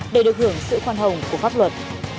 để được hưởng sự khoan hồng của pháp luật